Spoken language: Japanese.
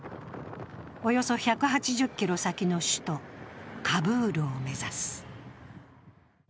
およそ１８０ｋｍ先の首都カブールを目指す。